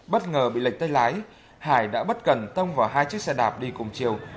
bất ngờ bị lệch tay lái hải đã bất cần tông vào hai chiếc xe đạp đi cùng chiều